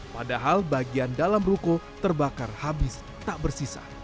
padahal bagian dalam ruko terbakar habis tak bersisa